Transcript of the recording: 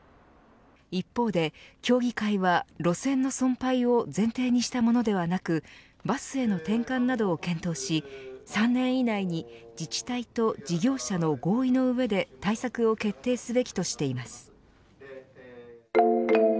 一方で協議会は路線の存廃を前提にしたものではなくバスへの転換などを検討し３年以内に自治体と事業者の合意の上で対策を決定すべきとしています。